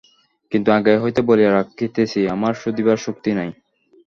কিন্তু আগে হইতে বলিয়া রাখিতেছি, আমার শুধিবার শক্তি নাই!